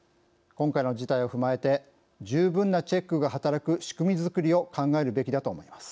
今回の事態を踏まえて十分なチェックが働く仕組み作りを考えるべきだと思います。